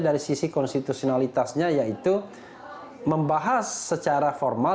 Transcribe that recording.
dari sisi konstitusionalitasnya yaitu membahas secara formal